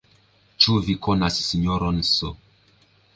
Ĉu vi konas Sinjoron S.